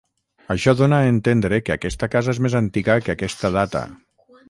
Això dóna a entendre que aquesta casa és més antiga que aquesta data.